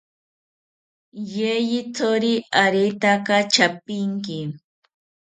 Yeyithori aretaka chapinki